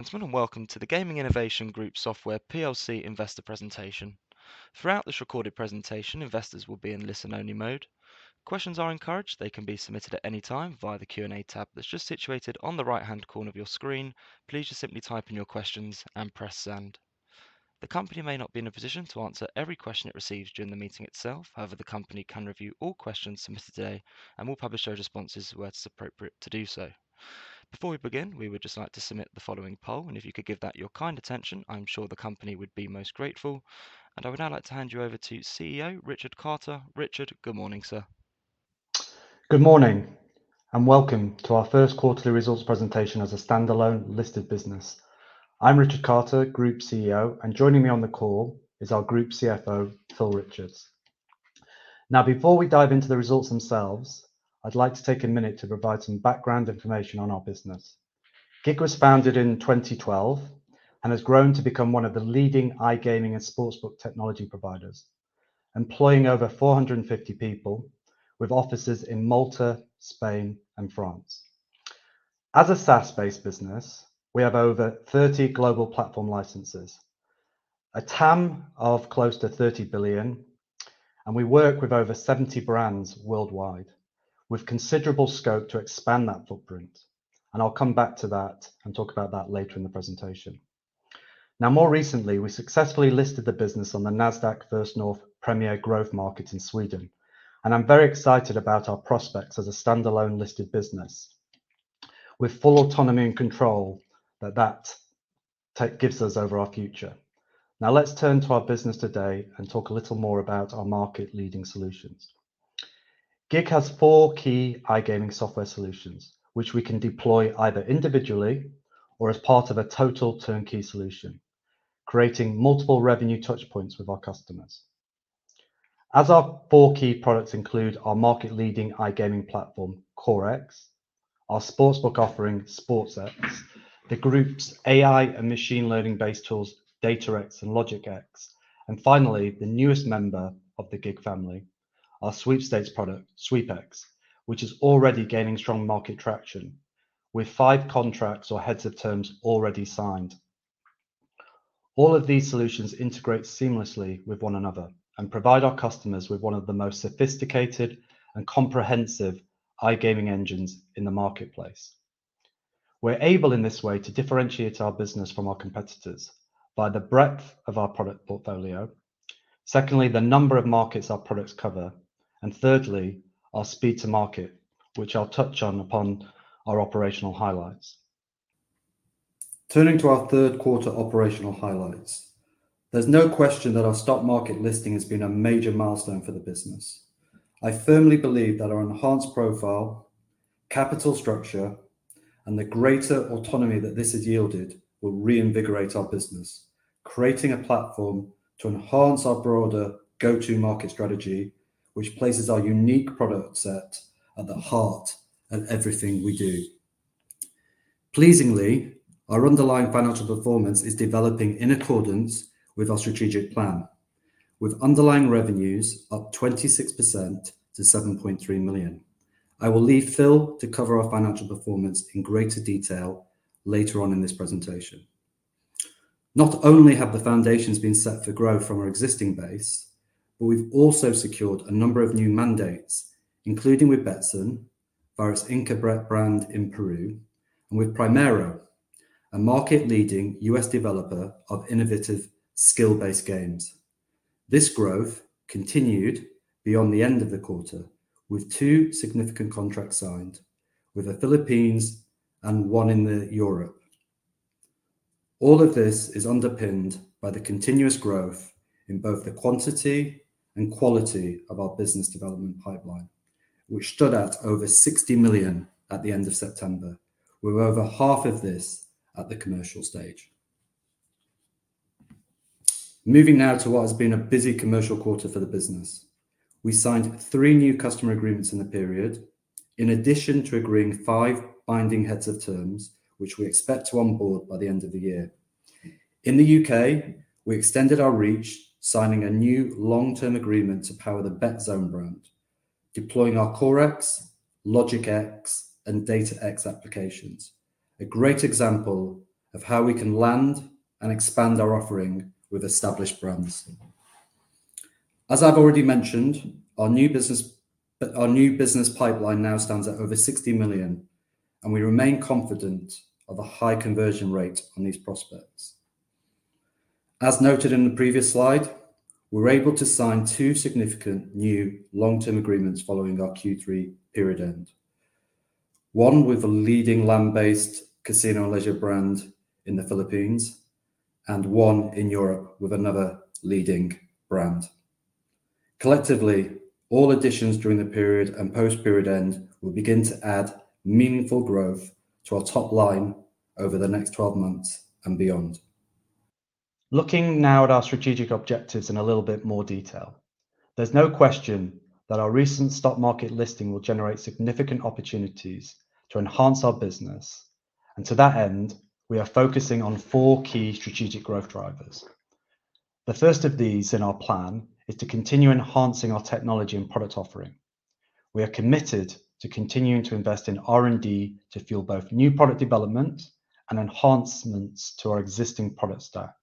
Gentlemen, and welcome to the Gaming Innovation Group Software PLC Investor Presentation. Throughout this recorded presentation, investors will be in listen-only mode. Questions are encouraged. They can be submitted at any time via the Q&A tab that's just situated on the right-hand corner of your screen. Please just simply type in your questions and press send. The company may not be in a position to answer every question it receives during the meeting itself. However, the company can review all questions submitted today and will publish those responses where it's appropriate to do so. Before we begin, we would just like to submit the following poll, and if you could give that your kind attention, I'm sure the company would be most grateful. I would now like to hand you over to CEO Richard Carter. Richard, good morning, sir. Good morning, and welcome to our first quarterly results presentation as a standalone listed business. I'm Richard Carter, Group CEO, and joining me on the call is our Group CFO, Phil Richards. Now, before we dive into the results themselves, I'd like to take a minute to provide some background information on our business. GiG was founded in 2012 and has grown to become one of the leading iGaming and sportsbook technology providers, employing over 450 people with offices in Malta, Spain, and France. As a SaaS-based business, we have over 30 global platform licenses, a TAM of close to 30 billion, and we work with over 70 brands worldwide. We have considerable scope to expand that footprint, and I'll come back to that and talk about that later in the presentation. Now, more recently, we successfully listed the business on the Nasdaq First North Premier Growth Market in Sweden, and I'm very excited about our prospects as a standalone listed business with full autonomy and control that that gives us over our future. Now, let's turn to our business today and talk a little more about our market-leading solutions. GiG has four key iGaming software solutions, which we can deploy either individually or as part of a total turnkey solution, creating multiple revenue touchpoints with our customers. As our four key products include our market-leading iGaming platform, CoreX, our sportsbook offering, SportsX, the group's AI and machine learning-based tools, DataX and LogicX, and finally, the newest member of the GiG family, our sweepstakes product, SweepX, which is already gaining strong market traction with five contracts or heads of terms already signed. All of these solutions integrate seamlessly with one another and provide our customers with one of the most sophisticated and comprehensive iGaming engines in the marketplace. We're able in this way to differentiate our business from our competitors by the breadth of our product portfolio, secondly, the number of markets our products cover, and thirdly, our speed to market, which I'll touch on upon our operational highlights. Turning to our third quarter operational highlights, there's no question that our stock market listing has been a major milestone for the business. I firmly believe that our enhanced profile, capital structure, and the greater autonomy that this has yielded will reinvigorate our business, creating a platform to enhance our broader go-to-market strategy, which places our unique product set at the heart of everything we do. Pleasingly, our underlying financial performance is developing in accordance with our strategic plan, with underlying revenues up 26% to 7.3 million. I will leave Phil to cover our financial performance in greater detail later on in this presentation. Not only have the foundations been set for growth from our existing base, but we've also secured a number of new mandates, including with Betsson, Inkabet brand in Peru, and with Primero, a market-leading U.S. developer of innovative skill-based games. This growth continued beyond the end of the quarter, with two significant contracts signed, with the Philippines and one in Europe. All of this is underpinned by the continuous growth in both the quantity and quality of our business development pipeline, which stood at over 60 million at the end of September, with over half of this at the commercial stage. Moving now to what has been a busy commercial quarter for the business. We signed three new customer agreements in the period, in addition to agreeing five binding Heads of Terms, which we expect to onboard by the end of the year. In the U.K., we extended our reach, signing a new long-term agreement to power the Betzone brand, deploying our CoreX, LogicX, and DataX applications, a great example of how we can land and expand our offering with established brands. As I've already mentioned, our new business pipeline now stands at over 60 million, and we remain confident of a high conversion rate on these prospects. As noted in the previous slide, we were able to sign two significant new long-term agreements following our Q3 period end, one with a leading land-based casino and leisure brand in the Philippines and one in Europe with another leading brand. Collectively, all additions during the period and post-period end will begin to add meaningful growth to our top line over the next 12 months and beyond. Looking now at our strategic objectives in a little bit more detail, there's no question that our recent stock market listing will generate significant opportunities to enhance our business. And to that end, we are focusing on four key strategic growth drivers. The first of these in our plan is to continue enhancing our technology and product offering. We are committed to continuing to invest in R&D to fuel both new product development and enhancements to our existing product stack.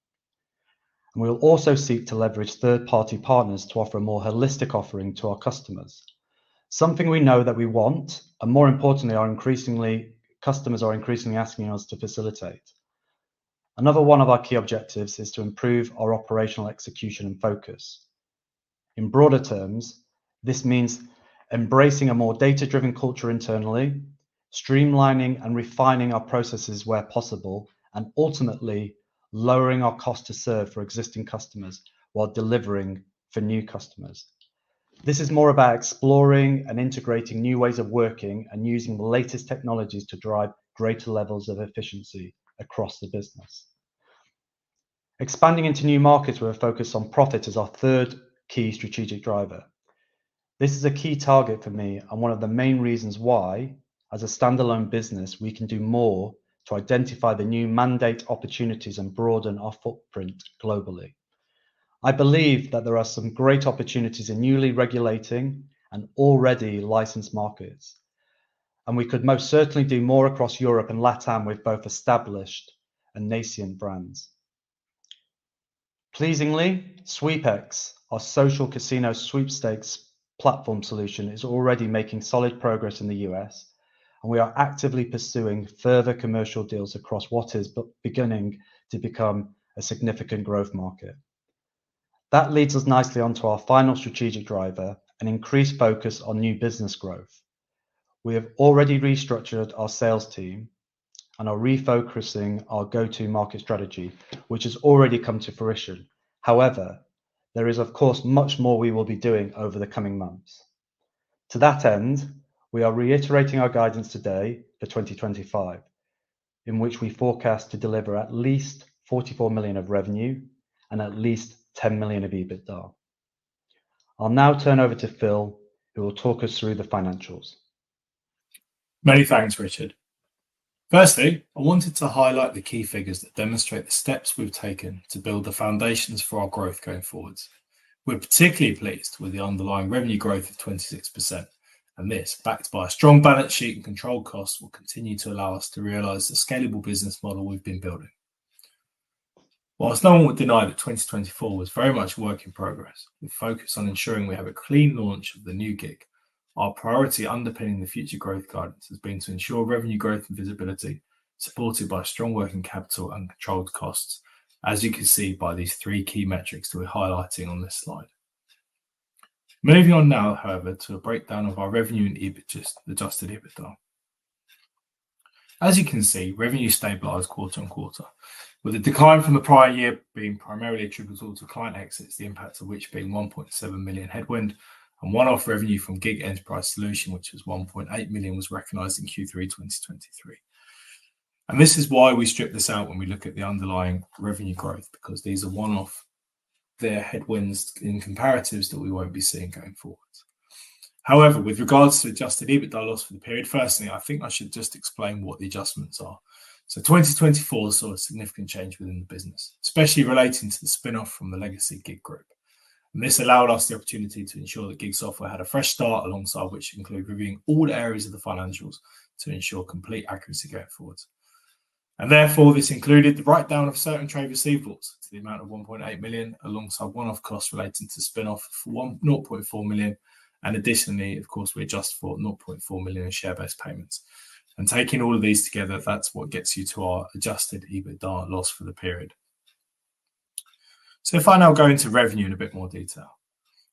We will also seek to leverage third-party partners to offer a more holistic offering to our customers, something we know that we want, and more importantly, our customers are increasingly asking us to facilitate. Another one of our key objectives is to improve our operational execution and focus. In broader terms, this means embracing a more data-driven culture internally, streamlining and refining our processes where possible, and ultimately lowering our cost to serve for existing customers while delivering for new customers. This is more about exploring and integrating new ways of working and using the latest technologies to drive greater levels of efficiency across the business. Expanding into new markets with a focus on profit is our third key strategic driver. This is a key target for me and one of the main reasons why, as a standalone business, we can do more to identify the new market opportunities and broaden our footprint globally. I believe that there are some great opportunities in newly regulating and already licensed markets, and we could most certainly do more across Europe and LATAM with both established and nascent brands. Pleasingly, SweepX, our social casino sweepstakes platform solution, is already making solid progress in the U.S., and we are actively pursuing further commercial deals across what is beginning to become a significant growth market. That leads us nicely onto our final strategic driver, an increased focus on new business growth. We have already restructured our sales team and are refocusing our go-to-market strategy, which has already come to fruition. However, there is, of course, much more we will be doing over the coming months. To that end, we are reiterating our guidance today for 2025, in which we forecast to deliver at least 44 million of revenue and at least 10 million of EBITDA. I'll now turn over to Phil, who will talk us through the financials. Many thanks, Richard. First, I wanted to highlight the key figures that demonstrate the steps we've taken to build the foundations for our growth going forward. We're particularly pleased with the underlying revenue growth of 26%, and this, backed by a strong balance sheet and controlled costs, will continue to allow us to realize the scalable business model we've been building. While no one would deny that 2024 was very much a work in progress, with focus on ensuring we have a clean launch of the new GiG, our priority underpinning the future growth guidance has been to ensure revenue growth and visibility supported by strong working capital and controlled costs, as you can see by these three key metrics that we're highlighting on this slide. Moving on now, however, to a breakdown of our revenue and Adjusted EBITDA. As you can see, revenue stabilized quarter on quarter, with the decline from the prior year being primarily attributable to client exits, the impact of which being 1.7 million headwind, and one-off revenue from GiG Enterprise Solution, which was 1.8 million, was recognized in Q3 2023, and this is why we strip this out when we look at the underlying revenue growth, because these are one-off headwinds in comparatives that we won't be seeing going forward. However, with regards to adjusted EBITDA loss for the period, firstly, I think I should just explain what the adjustments are, so 2024 saw a significant change within the business, especially relating to the spinoff from the legacy GiG group. This allowed us the opportunity to ensure that GiG Software had a fresh start, alongside which included reviewing all the areas of the financials to ensure complete accuracy going forward. Therefore, this included the write-down of certain trade receivables to the amount of 1.8 million, alongside one-off costs relating to spinoff for 0.4 million. Additionally, of course, we adjust for 0.4 million in share-based payments. Taking all of these together, that's what gets you to our Adjusted EBITDA loss for the period. If I now go into revenue in a bit more detail,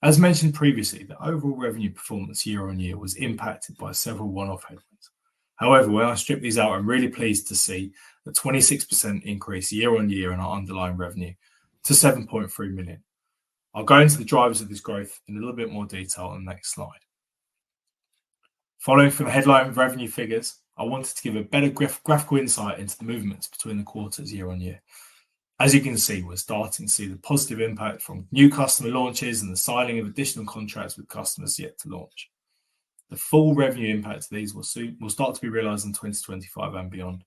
as mentioned previously, the overall revenue performance year on year was impacted by several one-off headwinds. However, when I strip these out, I'm really pleased to see the 26% increase year on year in our underlying revenue to 7.3 million. I'll go into the drivers of this growth in a little bit more detail on the next slide. Following from headline revenue figures, I wanted to give a better graphical insight into the movements between the quarters year on year. As you can see, we're starting to see the positive impact from new customer launches and the signing of additional contracts with customers yet to launch. The full revenue impact of these will start to be realized in 2025 and beyond.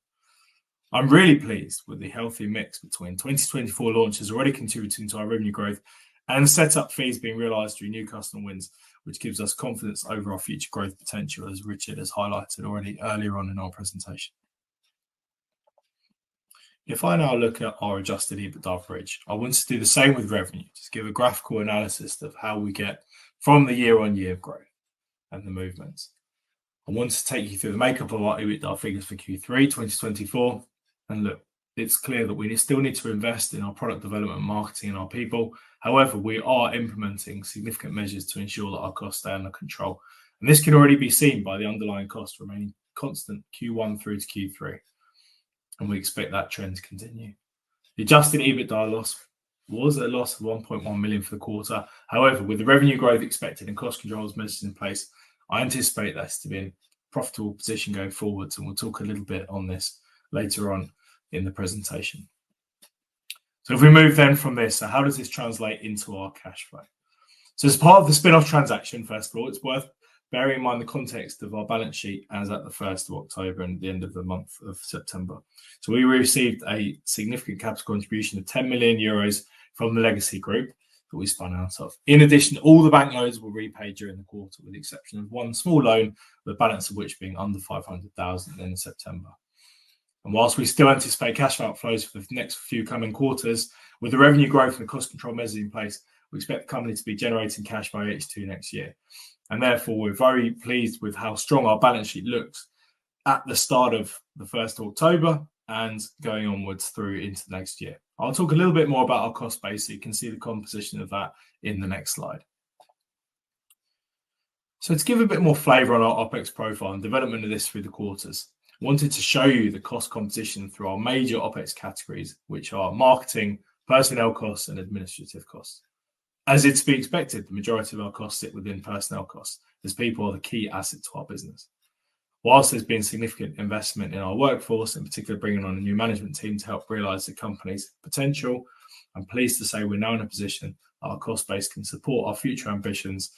I'm really pleased with the healthy mix between 2024 launches already contributing to our revenue growth and setup fees being realized through new customer wins, which gives us confidence over our future growth potential, as Richard has highlighted already earlier on in our presentation. If I now look at our Adjusted EBITDA average, I want to do the same with revenue, just give a graphical analysis of how we get from the year-on-year growth and the movements. I want to take you through the makeup of our EBITDA figures for Q3 2024. Look, it's clear that we still need to invest in our product development, marketing, and our people. However, we are implementing significant measures to ensure that our costs stay under control. This can already be seen by the underlying cost remaining constant Q1 through to Q3. We expect that trend to continue. The Adjusted EBITDA loss was a loss of 1.1 million for the quarter. However, with the revenue growth expected and cost controls most in place, I anticipate that's to be in a profitable position going forward. We'll talk a little bit on this later on in the presentation. If we move then from this, how does this translate into our cash flow? As part of the spinoff transaction, first of all, it's worth bearing in mind the context of our balance sheet as at the 1st of October and the end of the month of September. We received a significant capital contribution of 10 million euros from the legacy group that we spun out of. In addition, all the bank loans were repaid during the quarter, with the exception of one small loan, the balance of which being under 500,000 in September. Whilst we still anticipate cash outflows for the next few coming quarters, with the revenue growth and the cost control measures in place, we expect the company to be generating cash by Q2 next year. Therefore, we're very pleased with how strong our balance sheet looks at the start of the 1st of October and going onwards through into next year. I'll talk a little bit more about our cost base so you can see the composition of that in the next slide. To give a bit more flavor on our OpEx profile and development of this through the quarters, I wanted to show you the cost composition through our major OpEx categories, which are marketing, personnel costs, and administrative costs. As it's to be expected, the majority of our costs sit within personnel costs, as people are the key asset to our business. While there's been significant investment in our workforce, in particular bringing on a new management team to help realize the company's potential, I'm pleased to say we're now in a position that our cost base can support our future ambitions,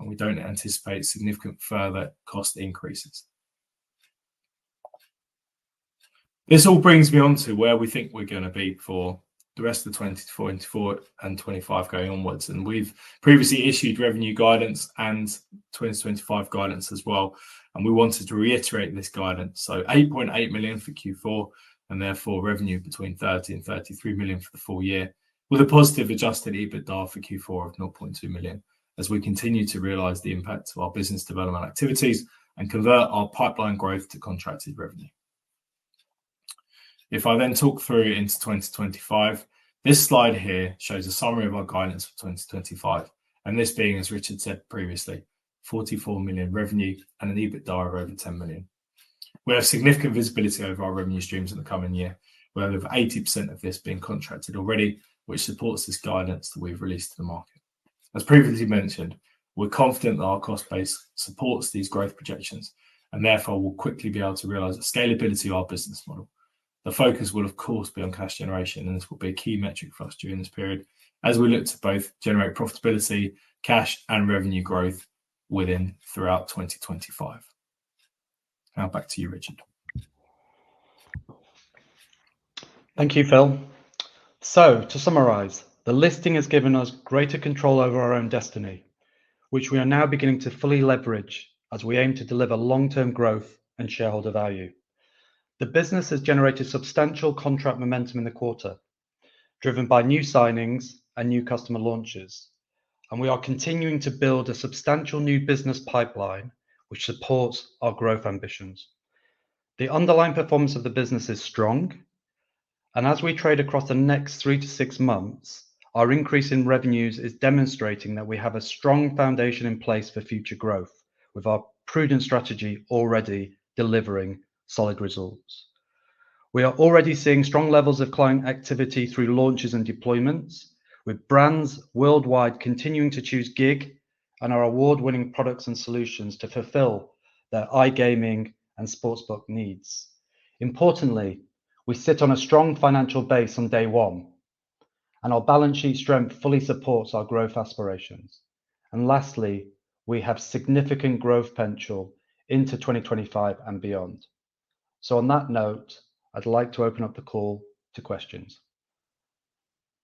and we don't anticipate significant further cost increases. This all brings me on to where we think we're going to be for the rest of 2024 and 2025 going onwards. We've previously issued revenue guidance and 2025 guidance as well. We wanted to reiterate this guidance. So 8.8 million for Q4, and therefore revenue between 30 million and 33 million for the full year, with a positive Adjusted EBITDA for Q4 of 0.2 million, as we continue to realize the impact of our business development activities and convert our pipeline growth to contracted revenue. If I then talk through into 2025, this slide here shows a summary of our guidance for 2025. This being, as Richard said previously, 44 million revenue and an EBITDA of over 10 million. We have significant visibility over our revenue streams in the coming year, with over 80% of this being contracted already, which supports this guidance that we've released to the market. As previously mentioned, we're confident that our cost base supports these growth projections, and therefore we'll quickly be able to realize the scalability of our business model. The focus will, of course, be on cash generation, and this will be a key metric for us during this period, as we look to both generate profitability, cash, and revenue growth throughout 2025. Now back to you, Richard. Thank you, Phil. To summarize, the listing has given us greater control over our own destiny, which we are now beginning to fully leverage as we aim to deliver long-term growth and shareholder value. The business has generated substantial contract momentum in the quarter, driven by new signings and new customer launches. We are continuing to build a substantial new business pipeline, which supports our growth ambitions. The underlying performance of the business is strong. As we trade across the next three to six months, our increase in revenues is demonstrating that we have a strong foundation in place for future growth, with our prudent strategy already delivering solid results. We are already seeing strong levels of client activity through launches and deployments, with brands worldwide continuing to choose GiG and our award-winning products and solutions to fulfill their iGaming and sportsbook needs. Importantly, we sit on a strong financial base on day one, and our balance sheet strength fully supports our growth aspirations. And lastly, we have significant growth potential into 2025 and beyond. So on that note, I'd like to open up the call to questions.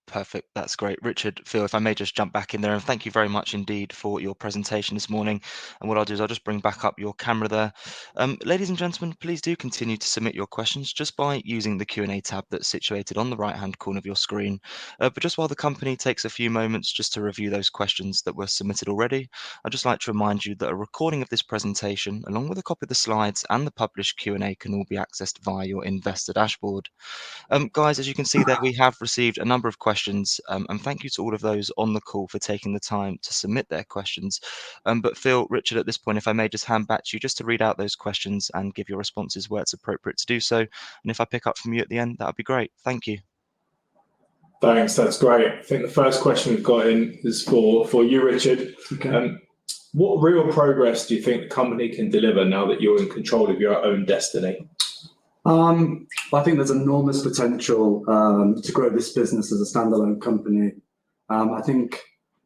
Perfect. That's great. Richard, Phil, if I may just jump back in there, and thank you very much indeed for your presentation this morning. And what I'll do is I'll just bring back up your camera there. Ladies and gentlemen, please do continue to submit your questions just by using the Q&A tab that's situated on the right-hand corner of your screen. But just while the company takes a few moments just to review those questions that were submitted already, I'd just like to remind you that a recording of this presentation, along with a copy of the slides and the published Q&A, can all be accessed via your investor dashboard. Guys, as you can see there, we have received a number of questions, and thank you to all of those on the call for taking the time to submit their questions. But Phil, Richard, at this point, if I may just hand back to you just to read out those questions and give your responses where it's appropriate to do so. And if I pick up from you at the end, that would be great. Thank you. Thanks. That's great. I think the first question we've got in is for you, Richard. What real progress do you think the company can deliver now that you're in control of your own destiny? I think there's enormous potential to grow this business as a standalone company. I think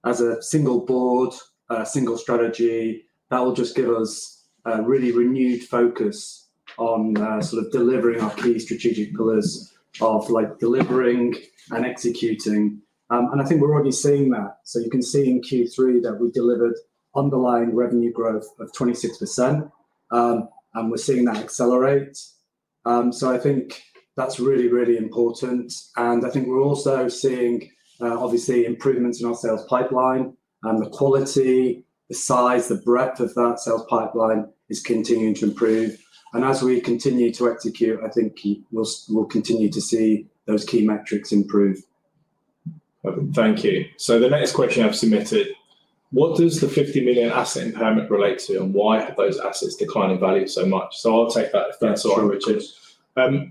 as a single board, a single strategy, that will just give us a really renewed focus on sort of delivering our key strategic pillars of delivering and executing. And I think we're already seeing that. So you can see in Q3 that we delivered underlying revenue growth of 26%, and we're seeing that accelerate. So I think that's really, really important. And I think we're also seeing, obviously, improvements in our sales pipeline. And the quality, the size, the breadth of that sales pipeline is continuing to improve. And as we continue to execute, I think we'll continue to see those key metrics improve. Perfect. Thank you. So the next question I've submitted, what does the 50 million asset impairment relate to, and why have those assets declined in value so much? So I'll take that first, Richard.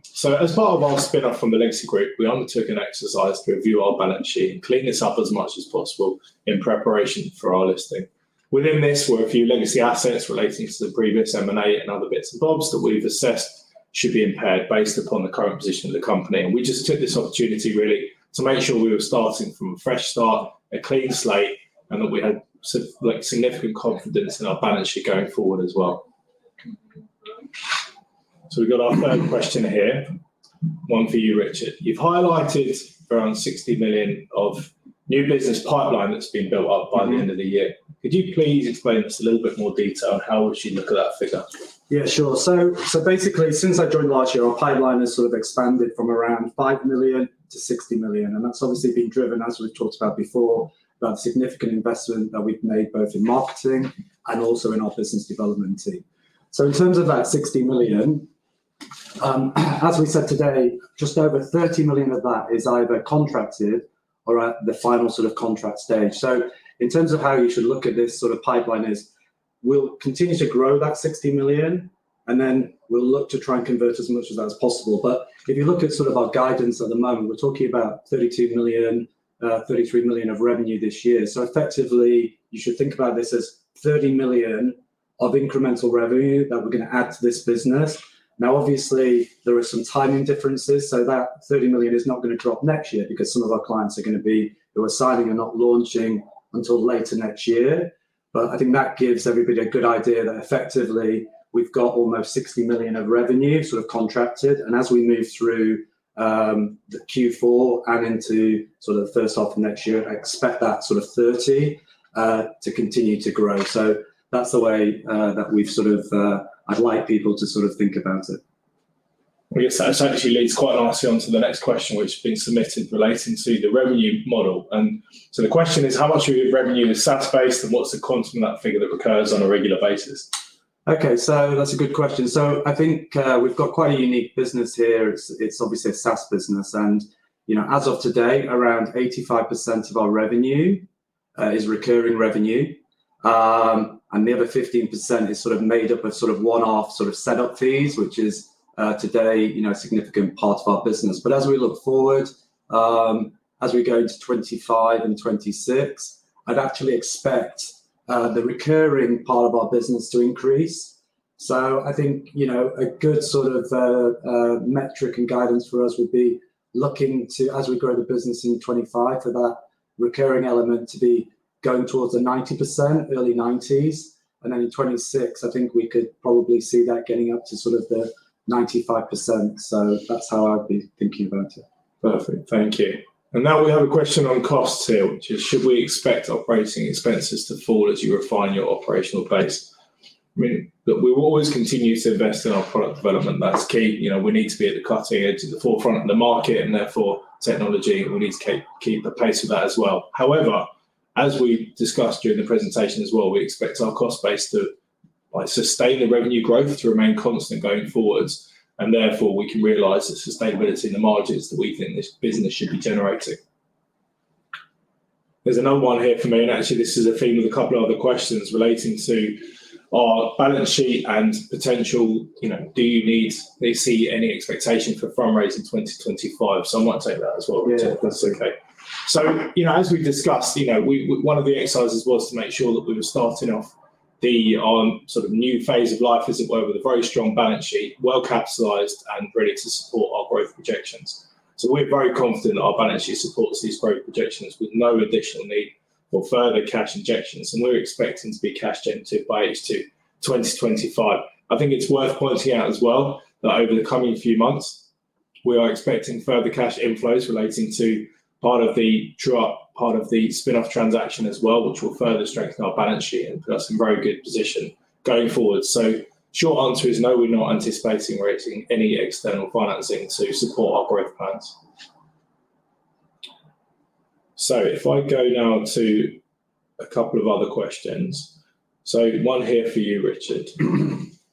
So as part of our spinoff from the legacy group, we undertook an exercise to review our balance sheet and clean this up as much as possible in preparation for our listing. Within this, we're a few legacy assets relating to the previous M&A and other bits and bobs that we've assessed should be impaired based upon the current position of the company. And we just took this opportunity really to make sure we were starting from a fresh start, a clean slate, and that we had significant confidence in our balance sheet going forward as well. So we've got our third question here. One for you, Richard. You've highlighted around 60 million of new business pipeline that's been built up by the end of the year. Could you please explain this a little bit more detail, and how would you look at that figure? Yeah, sure. So basically, since I joined last year, our pipeline has sort of expanded from around 5 million-60 million, and that's obviously been driven, as we've talked about before, about the significant investment that we've made both in marketing and also in our business development team. So in terms of that 60 million, as we said today, just over 30 million of that is either contracted or at the final sort of contract stage. So in terms of how you should look at this sort of pipeline, we'll continue to grow that 60 million, and then we'll look to try and convert as much of that as possible, but if you look at sort of our guidance at the moment, we're talking about 32 million-33 million of revenue this year. So effectively, you should think about this as 30 million of incremental revenue that we're going to add to this business. Now, obviously, there are some timing differences. So that 30 million is not going to drop next year because some of our clients are going to be signing and not launching until later next year. But I think that gives everybody a good idea that effectively we've got almost 60 million of revenue sort of contracted. And as we move through Q4 and into sort of the first half of next year, I expect that sort of 30 to continue to grow. So that's the way that we've sort of, I'd like people to sort of think about it. Yes, that actually leads quite nicely on to the next question, which has been submitted relating to the revenue model. And so the question is, how much of your revenue is SaaS-based, and what's the content of that figure that recurs on a regular basis? Okay, so that's a good question. So I think we've got quite a unique business here. It's obviously a SaaS business. And as of today, around 85% of our revenue is recurring revenue. And the other 15% is sort of made up of sort of one-off sort of setup fees, which is today a significant part of our business. But as we look forward, as we go into 2025 and 2026, I'd actually expect the recurring part of our business to increase. So I think a good sort of metric and guidance for us would be looking to, as we grow the business in 2025, for that recurring element to be going towards the 90%, early 90s. And then in 2026, I think we could probably see that getting up to sort of the 95%. So that's how I'd be thinking about it. Perfect. Thank you. And now we have a question on costs here, which is, should we expect operating expenses to fall as you refine your operational base? I mean, we will always continue to invest in our product development. That's key. We need to be at the cutting edge, at the forefront of the market, and therefore technology, we need to keep the pace of that as well. However, as we discussed during the presentation as well, we expect our cost base to sustain the revenue growth to remain constant going forwards. And therefore, we can realize the sustainability in the margins that we think this business should be generating. There's another one here for me. And actually, this is a theme of a couple of other questions relating to our balance sheet and potential. Do you see any expectation for fundraising 2025? So I might take that as well, Richard, if that's okay. So as we discussed, one of the exercises was to make sure that we were starting off the sort of new phase of life, as it were, with a very strong balance sheet, well-capitalized and ready to support our growth projections. So we're very confident that our balance sheet supports these growth projections with no additional need for further cash injections. And we're expecting to be cash-generative by 2025. I think it's worth pointing out as well that over the coming few months, we are expecting further cash inflows relating to part of the spinoff transaction as well, which will further strengthen our balance sheet and put us in a very good position going forward. So short answer is no, we're not anticipating raising any external financing to support our growth plans. So if I go now to a couple of other questions. So one here for you, Richard.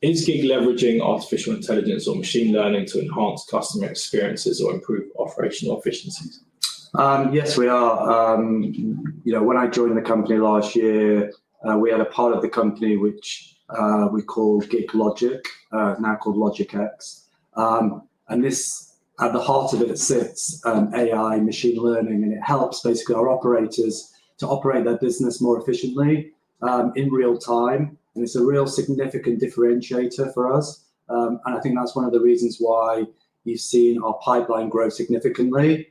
Is GiG leveraging artificial intelligence or machine learning to enhance customer experiences or improve operational efficiencies? Yes, we are. When I joined the company last year, we had a part of the company which we called GiG Logic, now called LogicX. And at the heart of it sits AI, machine learning, and it helps basically our operators to operate their business more efficiently in real time. And it's a real significant differentiator for us. And I think that's one of the reasons why you've seen our pipeline grow significantly,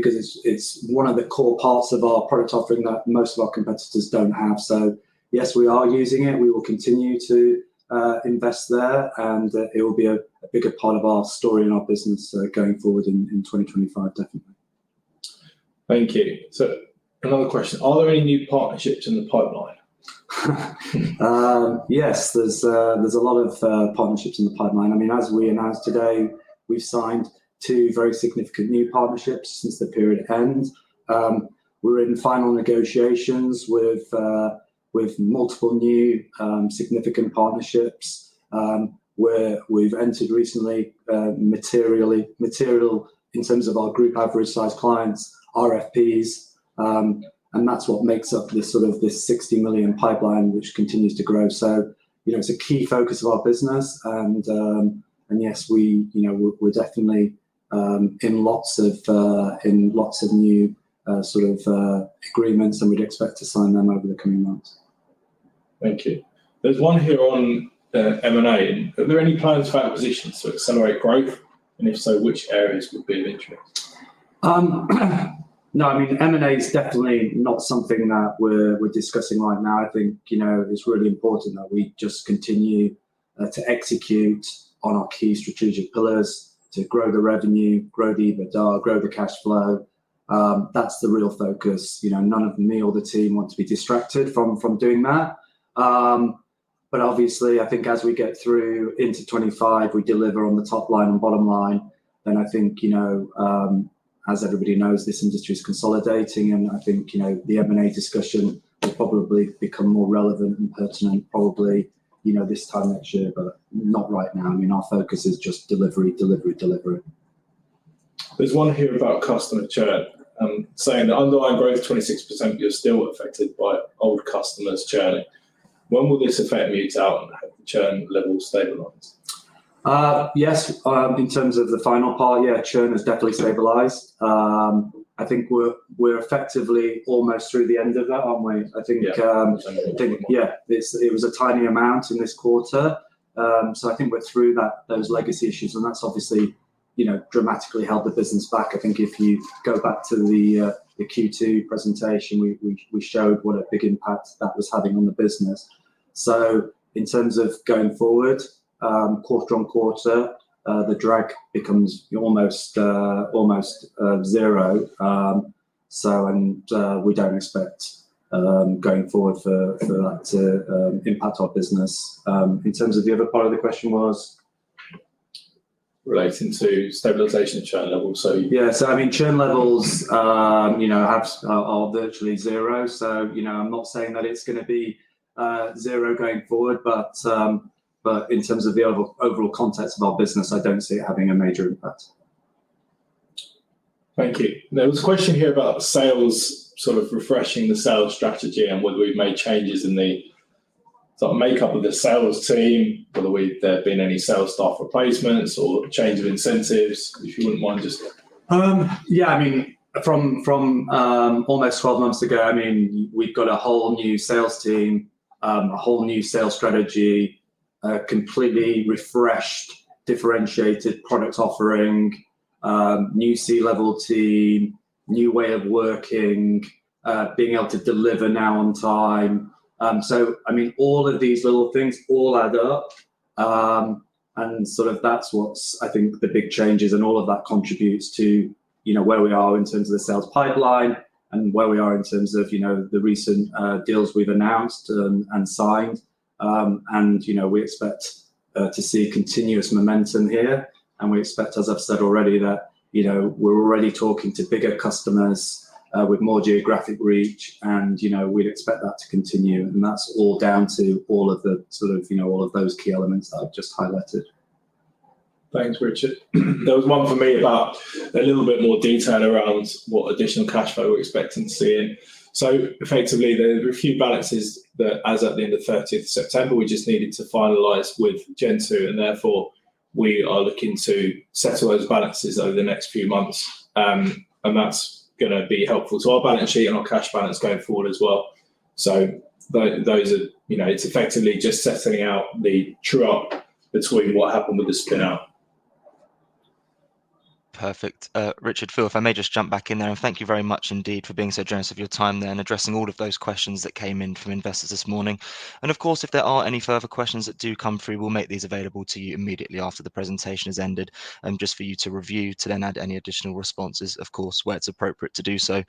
because it's one of the core parts of our product offering that most of our competitors don't have. So yes, we are using it. We will continue to invest there. And it will be a bigger part of our story and our business going forward in 2025, definitely. Thank you. So, another question: Are there any new partnerships in the pipeline? Yes, there's a lot of partnerships in the pipeline. I mean, as we announced today, we've signed two very significant new partnerships since the period ends. We're in final negotiations with multiple new significant partnerships. We've recently entered material in terms of our group average size clients, RFPs. And that's what makes up this sort of 60 million pipeline, which continues to grow. So it's a key focus of our business. And yes, we're definitely in lots of new sort of agreements, and we'd expect to sign them over the coming months. Thank you. There's one here on M&A. Are there any plans for acquisitions to accelerate growth? And if so, which areas would be of interest? No, I mean, M&A is definitely not something that we're discussing right now. I think it's really important that we just continue to execute on our key strategic pillars to grow the revenue, grow the EBITDA, grow the cash flow. That's the real focus. None of me or the team want to be distracted from doing that. But obviously, I think as we get through into 2025, we deliver on the top line and bottom line. And I think, as everybody knows, this industry is consolidating. And I think the M&A discussion will probably become more relevant and pertinent probably this time next year, but not right now. I mean, our focus is just delivery, delivery, delivery. There's one here about customer churn saying the underlying growth, 26%, you're still affected by old customers churning. When will this effect mute out and have the churn level stabilize? Yes, in terms of the final part, yeah, churn has definitely stabilized. I think we're effectively almost through the end of that, aren't we? I think, yeah, it was a tiny amount in this quarter. So I think we're through those legacy issues. And that's obviously dramatically held the business back. I think if you go back to the Q2 presentation, we showed what a big impact that was having on the business. So in terms of going forward, quarter on quarter, the drag becomes almost zero. And we don't expect going forward for that to impact our business. In terms of the other part of the question was relating to stabilization of churn levels, so. Yeah, so I mean, churn levels are virtually zero. So I'm not saying that it's going to be zero going forward. But in terms of the overall context of our business, I don't see it having a major impact. Thank you. There was a question here about sales, sort of refreshing the sales strategy and whether we've made changes in the makeup of the sales team, whether there have been any sales staff replacements or change of incentives. If you wouldn't mind, just. Yeah, I mean, from almost 12 months ago, I mean, we've got a whole new sales team, a whole new sales strategy, completely refreshed, differentiated product offering, new C-level team, new way of working, being able to deliver now on time. So I mean, all of these little things all add up. And sort of that's what's, I think, the big changes. And all of that contributes to where we are in terms of the sales pipeline and where we are in terms of the recent deals we've announced and signed. And we expect to see continuous momentum here. And we expect, as I've said already, that we're already talking to bigger customers with more geographic reach. And we'd expect that to continue. And that's all down to all of the sort of all of those key elements that I've just highlighted. Thanks, Richard. There was one for me about a little bit more detail around what additional cash flow we're expecting to see, so effectively, there are a few balances that, as of the end of 30th September, we just needed to finalize with Gentoo, and therefore, we are looking to settle those balances over the next few months, and that's going to be helpful to our balance sheet and our cash balance going forward as well, so it's effectively just settling out the true-up between what happened with the spinoff. Perfect. Richard, Phil, if I may just jump back in there, and thank you very much indeed for being so generous of your time there and addressing all of those questions that came in from investors this morning. And of course, if there are any further questions that do come through, we'll make these available to you immediately after the presentation has ended, just for you to review, to then add any additional responses, of course, where it's appropriate to do so.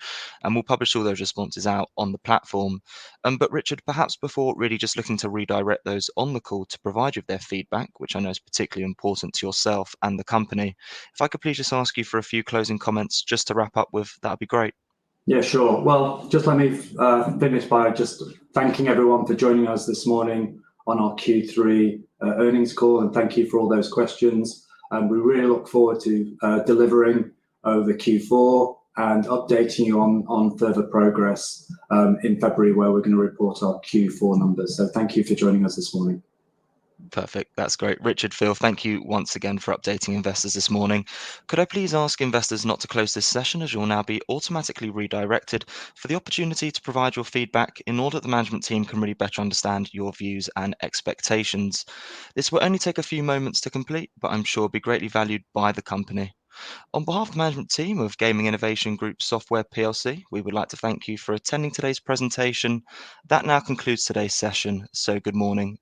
And we'll publish all those responses out on the platform. But Richard, perhaps before really just looking to redirect those on the call to provide you with their feedback, which I know is particularly important to yourself and the company, if I could please just ask you for a few closing comments just to wrap up with, that would be great. Yeah, sure. Well, just let me finish by just thanking everyone for joining us this morning on our Q3 earnings call. And thank you for all those questions. And we really look forward to delivering over Q4 and updating you on further progress in February where we're going to report our Q4 numbers. So thank you for joining us this morning. Perfect. That's great. Richard, Phil, thank you once again for updating investors this morning. Could I please ask investors not to close this session as you'll now be automatically redirected for the opportunity to provide your feedback in order that the management team can really better understand your views and expectations? This will only take a few moments to complete, but I'm sure will be greatly valued by the company. On behalf of the management team of Gaming Innovation Group Software PLC, we would like to thank you for attending today's presentation. That now concludes today's session. So good morning.